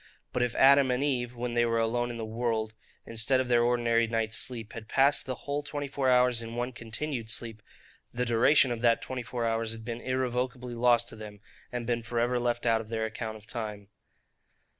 But if Adam and Eve, (when they were alone in the world,) instead of their ordinary night's sleep, had passed the whole twenty four hours in one continued sleep, the duration of that twenty four hours had been irrecoverably lost to them, and been for ever left out of their account of time.